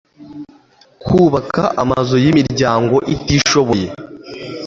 kubaka amazu y imiryango itishoboye